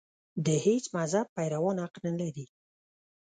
د هېڅ مذهب پیروان حق نه لري.